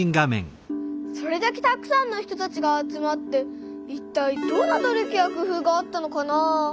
それだけたくさんの人たちが集まっていったいどんな努力や工夫があったのかなあ？